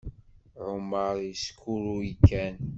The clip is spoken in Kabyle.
Ɛumaṛ yeskurruy kan.